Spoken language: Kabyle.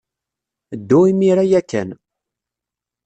Ddu imir-a ya kan.